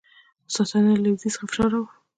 ساسانیانو له لویدیځ څخه فشار راوړ